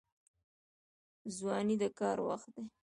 ځواني د کار وخت دی